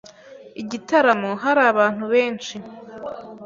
Igitaramo hari abantu benshi.